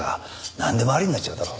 なんでもありになっちゃうだろ。